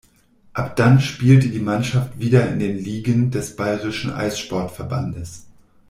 Ab dann spielte die Mannschaft wieder in den Ligen des Bayerischen Eissportverbandes.